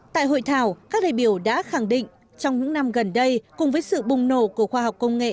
tại hội thảo các đại biểu đã khẳng định trong những năm gần đây cùng với sự bùng nổ của khoa học công nghệ